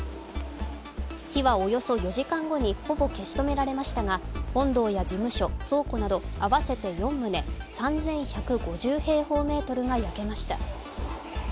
火はおよそ４時間後にほぼ消し止められましたが、本堂や寺務所、倉庫など合わせて４棟３１５０平方メートルが焼けました。